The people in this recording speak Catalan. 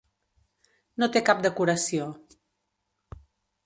No té cap decoració.